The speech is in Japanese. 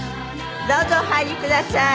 どうぞお入りください。